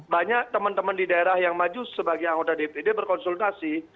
banyak teman teman di daerah yang maju sebagai anggota dpd berkonsultasi